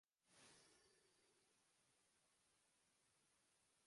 জন্মলগ্ন থেকেই এটি সরকারি স্কুল।